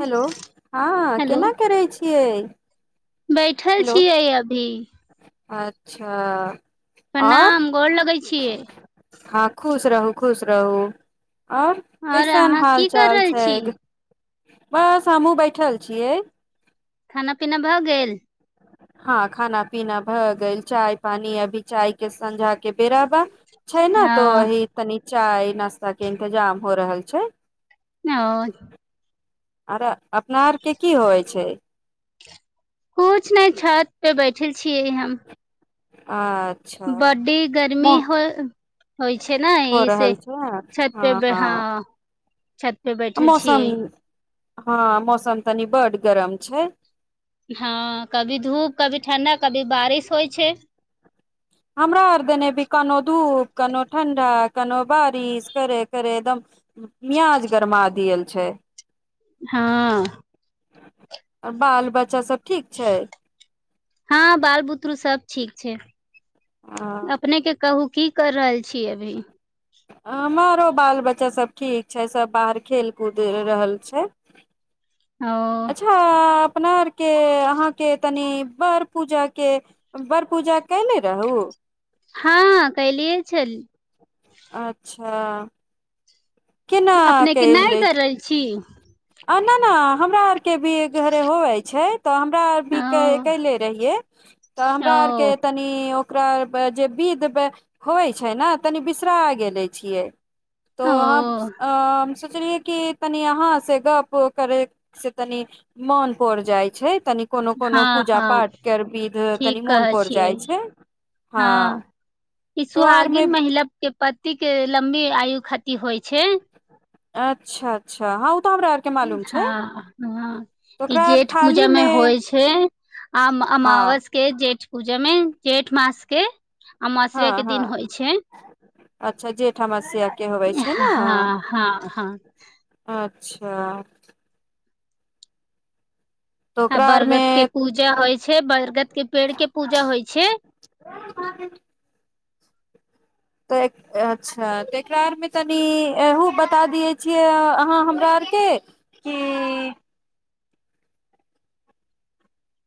hello हँ hello केना करै छियै बैठल हेलो छियै अभी अच्छा आओर प्रणाम गोर लगै छियै हँ खुश रहू खुश रहू आओर आओर कैसन अहाँ हाल की कर चाल रहल छै छी बस हमहुँ बैठल छियै खाना पीना भऽ गेल हँ खाना पीना भए गेल चाय पानी अभी चाय के संझा के बेराबा छै ने त हँ ओहि तनि चाय नाश्ता के इंतजाम हो रहल छै हँ आरे अपना आरके की होइ छै कुछ नहि छत पे बैठल छियै हम आ बड्डी गर्मी होइ होइ छै ने हो एहि से रहल छै छत पे हँ बे हाँ हँ मौसम हँ मौसम तनी बड गरम छै हँ कभी धूप कभी ठंडा कभी बारिश होइ छै हमरा आर देने भी केनो धूप कोनो ठण्ढा केनो बारिश करे करे एकदम मियाज गरमा दियल छै हँ आओर बाल बच्चा सब ठीक छै हँ बाल बुतरू सब ठीक छै अपने के कहू की कर रहल छी अभी हमरो बाल बच्चासभ ठीक छै सभ बाहर खेल कूद रहल छै ओ अच्छा अपना आरके अहाँके तनि बड़ पूजाके बड़ पूजा कैयने रहू हँ कैलियए छल अच्छा केना अपनेके नहि कयले करल छी आ न न हमरा आर के भी घरे होवे छै तऽ हमरा आर भी क ओ कैलै रहिये तऽ हमरा आर के ओ तनि ओकरा जे विध व होइ छै ने तनि बिसरा गेले छियै त हम ओ हम- सोचलिए की तनि अहाँ से गप करै सँ तनि मन पड़ जाइ छै तनि कोनो कोनो हँ पूजा हँ पाठ कर विध ठीक तनि मोन कहै पड़ छियै जाइ छै हँ ई तोहर मे सुहागिन महिला के पति के लम्बी आयु खातिर होइ छै अच्छा अच्छा ह हँ ह तऽ ई ओकरा आर जेठ थाली पूजामे मे होइ छै आ हँ अमावस के जेठ पूजामे जेठ मास के हँ अमासरे के दिन हँ होइ छै अच्छा जेठ अमवस्या हँ हँ हँ हाँ तऽ आ ओकरा आरमे बरगद के पूजा होइ छै बरगद के पेड़ के पूजा होइ छै तऽ एक अच्छा तऽ एकरा आरमे तनि एहु बता दियै छियै अहाँ हमरा आरके कि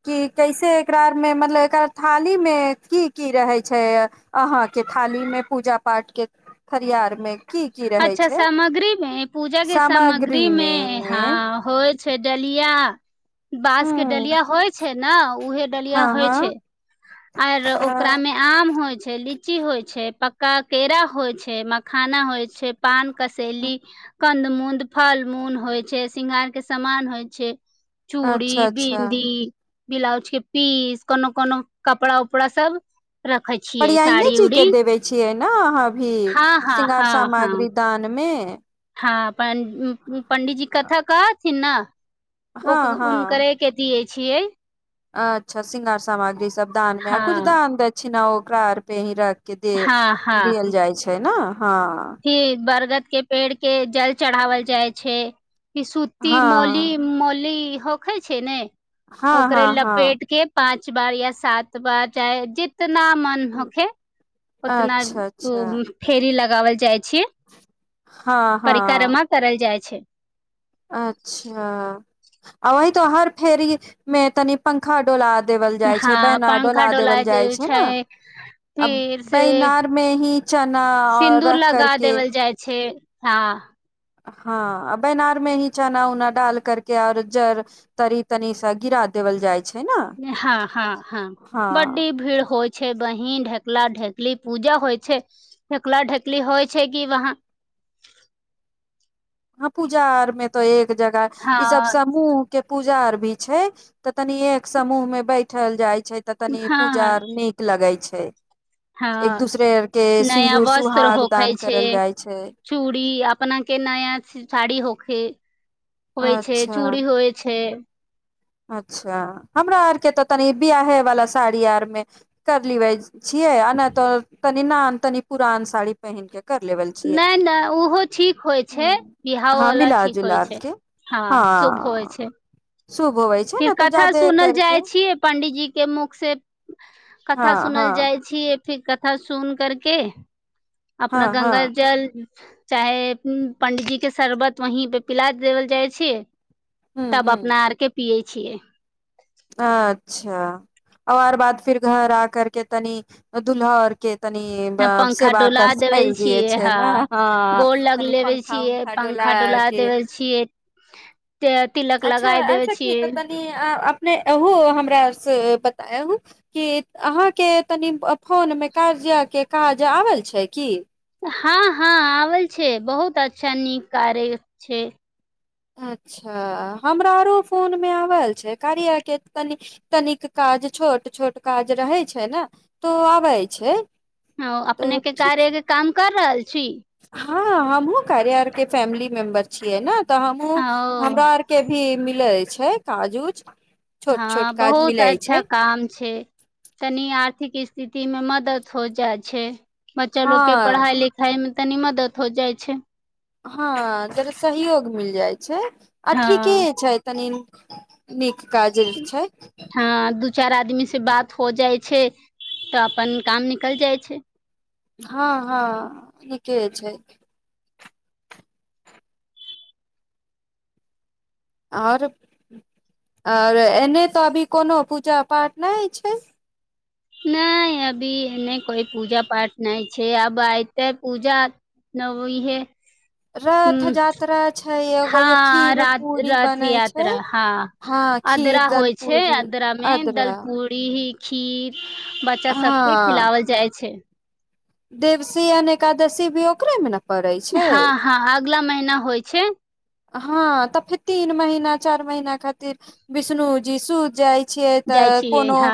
कि कैसे एकरा आरमे मतलब एकरा थालीमे की की रहै छै अहाँके थालीमे पूजा पाठके थरिया आर मे अच्छा सामग्री मे पूजा के सामग्री मे सामग्रीमे हँ होइ छै डलिया बाँस के हूँ डलिया होइ छै ने उहे डलिया हँ होइ हँ छै आर ओकरा मे आम होइ छै लीची होइ छै पक का केरा होइ छै मखाना होइ छै छै पान कसेली कन्द मूद फल मून होइ छै सिृंगार के समान होइ छै चूड़ी अच्छा अच्छा विन्दी ब्लाउज के पीस कोनो कोनो कपड़ा उपड़ा सब रखे छियै पिरियाने साड़ी जी के उड़ी देवे छियै ने अहाँ अभी हँ हँ शृंगार सामान अग्री दानमे हाफ पं पंडीजी कथा कहथ कैना अ हँ ओ हँ उनकरे के दियै छियै अच्छा शृङंगार समाग्री सब दानमे कुछ हँ दान दक्षिणा ओ कार पे ही रख के दे दियल जाइ छैय ना कि बरगद के पेड़ के जल चढ़ावल जाइ छैय ई सुती मोली हँ मोली होखै छैय ने हँ ओकरे हँ हँ लपेट के पाँच पाँच बार या सात बार चाहे जे- जेतना मन होखे ओतना अच्छा अच्छा उ फेरी लग गावल छियै हँ हँ परिकरमा करल जाइ- छैय अच्छा आ वही तो हर फेरी मे तनि पंखा डोला देवल जाइ छैय हँ बैना पंखा डोला देवल जाइ छैय छै ने अब फिर से बैनार में ही चना अ सिन्दूर रख लगा करके देवल जाइ छै हँ हँ बैनार में ही चना उना डाल करके आओर जर तनी तनी सा गिरा देवल जाइ छैय हँ हँ हँ बड्डी हँ भीड़ होइ छै बहिन ढेकला ढेकली पूजा होइ छै ढेकला ढेकली होइ छै कि वहाँ हँ पूजा आरमे त एक जगह ई सब हँ समुह के पूजा आर भी छैय तऽ तनी एक समूह में बै- ठल जाइ छै तऽ तनी हँ पूजा आर नीक लगै छैय हे हँ नया वस्त्र सुहाग होखैय दान करल छैय जाइ छै चूड़ी अपना के नया साड़ी होखे होइ छैय अच्छा चूड़ी होइ छैय अच्छा हमरा आर के तऽ तनि बियाहे वाला साड़ी आर मे करलिबै छियै आ नहि तऽ निनान तनी पुरान साड़ी पहिन के कर लेबल छियै नहि नहि ओहो ठीक होइ छैय बियाहो हँ वला मिला ठीक होइ जुला छैय के हँ शुभ होइ छैय शुभ होबै छै फिर ने तऽ कथा जादे सुनल करके जाइ छियै पंडीजी के मुख से हँ कथा सुनल हँ जाइ छियैय फिर कथा सुन करके हँ अपना हँ गङ्गााजल चाहे पंडीजी के शर्बत वहीं पे पिला देवल जाइ छै हूँ तब अपना हूँ आर के पियै छियै अच्छा आओर बाद फिर घर आ करके तनि दुल्हा आओर के तनि व पंखा सेवा डोला देबे कसायल जीयै छियै छै हँ न हाँ गोर लग तनि लेबे पंखा छियै उखा पंखा डोलाय डोला के देवे छियै तिलक अच्छा लगाय ऐ देवे सखी छियै तनि अं अ नहि ओहो हमरा से बताउ कि अहाँके तनि फोनमे कार्या के काज आबल छै की हँ हँ आवल छै बहुत अच्छा नीक कार्य छै अच्छा हमरा आरो फोनमे आबल छै कार्या के तनी तनिक काज छोट छोट काज रहैत छै ने तऽ ओ आबै छै हँ अपने तऽ के ठीक कार्या के काम कर रहल छी हँ हमहुँ कार्या आर के फैमिली मेम्बर छियै ने तऽ हमहु ओ हमरा आर के भी ले छै काजउजू हँ बहुत अच्छा काम छै तनि आर्थिक स्थिति स्थिति मे मदद हो जाइ छै बच्चा हँ लोक के पढ़ाई लिखाईमे तनी मदद हो जाइ छै हँ जरा सहयोग मिल जाइ छै आ ठीके हँ छै तनि नीक काज छै हँ दू चार आदमी से बात हो जाइ छै तऽ अपन काम निकल जाइ छै हँ हँ ठीके छै आओर आओर एन्ने तऽ अभी कोनो पूजा पाठ नहि छै नहि अभी एने कोइ पूजा पाठ नहि छै अब एयते पूजा नव ईहे रथ जात्रा छै एगो जो हँ खीर पूरी रथ बनै छै यात्रा हँ अद्रा खीर दल होइ छै पूरी अद्रा मे अदरा दलपूड़ी खीर बच्चा सबके खिलावल जाइ छै देवसी आ एकादशी भी ओकरे मे न हँ हँ अगला महिना होइ छै हँ त फेर तीन महिना चार महिना खातिर विष्णु जी सु जाइ छ जाइ तऽ छियै कोनो हँ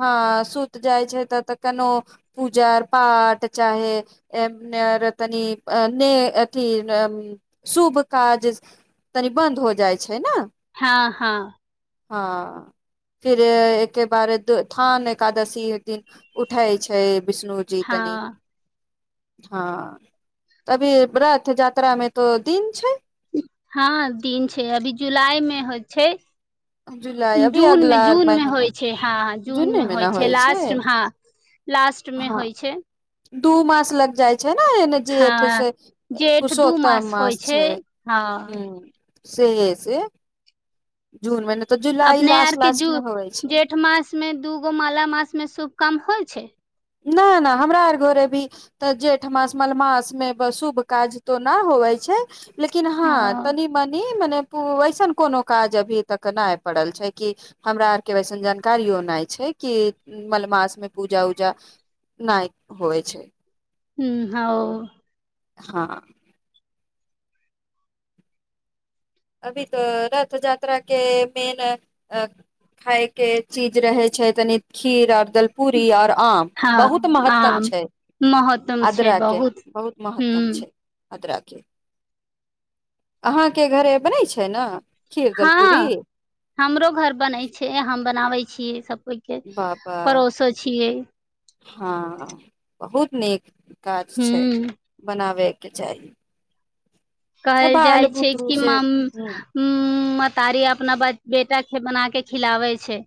हँ सुति जाइ छै त तऽ कोनो पूजा पाठ चाहे ऐ रे तनि ने अथी शुभ काज तनि बन्द हो जाइ छै ने हँ हँ हँ फिर एकके बार थान एकादशी दिन उठै छै विष्णुजी तनी हँ हँ तभी रथ यात्रामे तो दिन छै हँ दिन छै अभी जुलाइ मे होइ छै जुलाई अभी जूनमे अगला जूनमे महीना होइ छै हँ जूने जूनमे मे ने होइ छै लासट हँ लास्टमे हँ होइ छै दू मास लग जाइ छै ने एन जेठ हँ सँ जेठ दू पुरुषोत्तम होइ मास छै हँ हूँ से से जून मे न अपने आर के जू जेठ मास मे दूगो माला मास मे शुभ काम होइ छै नहि नहि हमरा आर घोरे भी तऽ जेठमास मलमासमे शुभ काज त न होवै छै लेकिन हँ तनी मनी मने वैसन कोनो काज अभी तक नहि पड़ल छै कि हमरा आर के वैसन जानकारियो नहि छै कि मलमास मे पूजा उजा जा नहि होइ छै हूँ आ हँ अभी तऽ रथ यात्रा के मेन खायके चीज रहै छै तनी खीर आओर दलपूरी आओर आ बहुत हँ महत्तम आम छै महत्तम छै अदरा के बहुत महत्तम हूँ छै आदरा के अहाँ के घरे बनै छै ने खीर दलपूरी हँ हमरो घर बनै छै हम बनाबै छियै सब बाबा पड़ोसो छियै हँ बहुत नीक काज छै हूँ बनाबे के चाही आ काल्हि बाल जाइ छै बुतरू कि से ह म- तारी अपना बेटाके बना के खिलाबै छै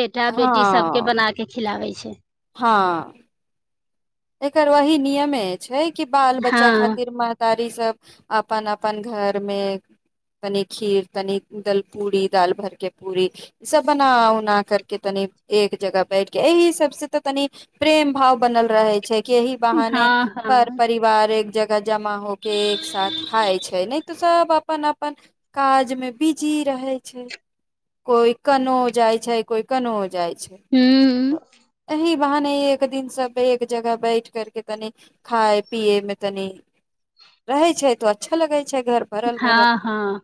बेटा बेटी सब के हँ बना के खिलाबै छै छै हँ एकर वही नियमे छै की बाल हँ बच्चा खातिर महता ई सब अपन अपन घर में तनि खीर तनी दल पूरी दाल भर के पूरी ई सब बना उना करके तनि एक जगह बैठ के एहि सब से त तनि प्रेम भाव बनल रहे छै एही बहाने हँ पर हँ परिवार एक जगह जमा हो के एक सााथ खााय छै ने तऽ सब अपन अपन काज मे बिजी रहे छै कोई कोनो जाय छै कोइ कोनो जाय छै हूँ एहि वहाँने एक दिन सबे जगह बैठ कर के तनि खाय पिये में तनी रहै छै त अच्छा लगै छै भरल भरल हँ हँ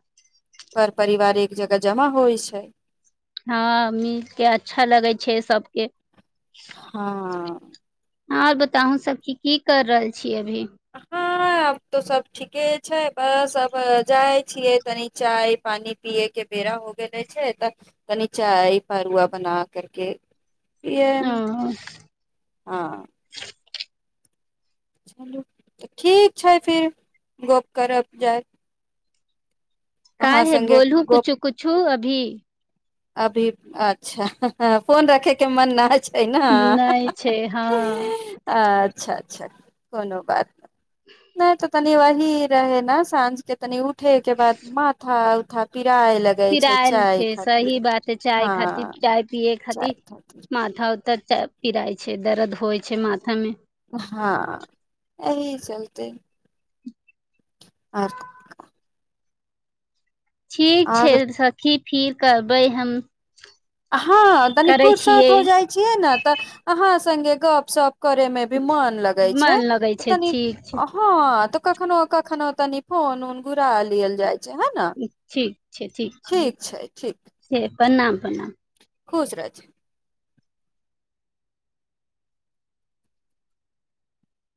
घर परिवार एक जगह जमा होइ छै हँ मिलके अच्छा लगै छै सबके हँ आर बताहु सब कि की कर रहल छी कि अभी हँ आब तऽ सब ठीके छै बस अब जाइ छियै तनी चाय पानि पियए के बेरा हो गेले छै तऽ तनी चाय भड़ुआ बना करके ई ओ हँ चलू तऽ ठीक छै फिर गप्प करब जाय अहाँ काहे संगे बोलू गप कुछो कुछो अभी अभी अच्छा फोन रखे के मन नहि छै ए ने नहि छै हँ अच्छा अच्छा कोनो बात नहि नहि त तनी वही रहे न साँझ के तनि उठे के बाद माथा उथा पी या लगई छै चाय खातिर सही बात छै चाय खातिर हँ चाय पियए खातिर माथा उतर पिराइ छै दर्द होइ छै माथा मे हँ एहि चलते आर ठीक छै आर सखी फिर करबै हम हँ तनी करै फुरसत छियै हो जाइ छियै ने तऽ अहाँ संगे गप सप करे मे भी मन लगै छै मन लगै त छै तनी ठीक हँ कखनो कखनो तनि फोन ऊन घुरा लियल जाइत छै है ने ठीक छै ठीक छै से प्रणाम प्रणाम खुश रह छै